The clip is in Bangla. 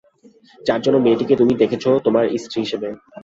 যার জন্যে মেয়েটিকে তুমি দেখেছ তোমার স্ত্রী হিসেবে।